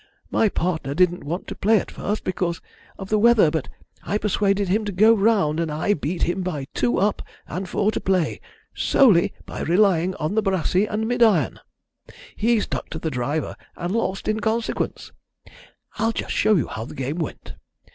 My partner didn't want to play at first because of the weather, but I persuaded him to go round, and I beat him by two up and four to play solely by relying on the brassy and midiron. He stuck to the driver, and lost in consequence. I'll just show you how the game went.